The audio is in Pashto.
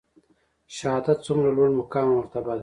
شهادت څومره لوړ مقام او مرتبه ده؟